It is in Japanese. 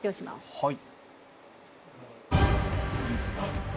はい。